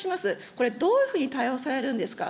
これ、どういうふうに対応されるんですか。